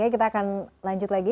kita akan lanjut lagi